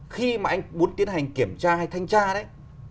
khi mà anh muốn tiến hành kiểm tra hay thanh tra đấy